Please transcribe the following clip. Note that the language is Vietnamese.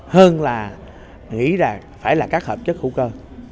hơn là nghĩ ra phải là các hợp chất hữu cơ